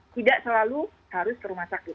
tidak selalu harus ke rumah sakit